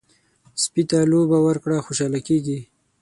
سپي ته لوبه ورکړه، خوشحاله کېږي.